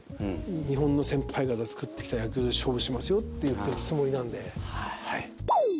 日本の先輩方が作ってきた野球で勝負しますよって言っていくつもりなんで。